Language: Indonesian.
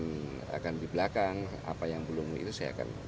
yang akan di belakang apa yang belum itu saya akan